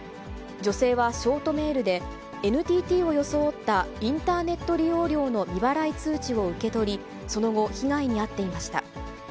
女性はショートメールで、ＮＴＴを装ったインターネット利用料の未払い通知を受け取り、その後、被害に遭っていました。